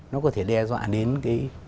nó có thể đe dọa đến cái